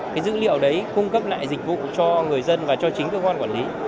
cái dữ liệu đấy cung cấp lại dịch vụ cho người dân và cho chính cơ quan quản lý